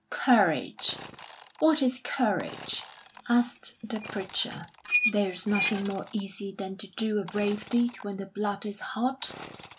"Courage, what is courage?" asked the preacher. "There is nothing more easy than to do a brave deed when the blood is hot.